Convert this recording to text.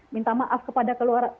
minta maaf kepada